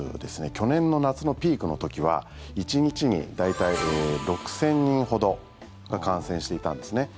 去年の夏のピークの時は１日に大体、６０００人ほどが感染していたんですね。